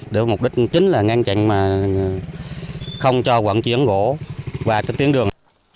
được mục đích chính là ngăn chặn mà không cho vận chuyển gỗ qua tuyến đường